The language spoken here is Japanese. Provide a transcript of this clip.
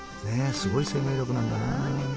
すごい生命力なんだな。